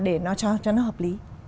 để nó cho nó hợp lý